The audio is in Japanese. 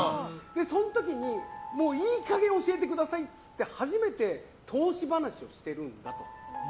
その時にもういい加減教えてくださいって言って初めて投資話をしてるんだと。